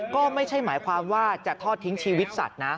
ก็ไม่ใช่หมายความว่าจะทอดทิ้งชีวิตสัตว์นะ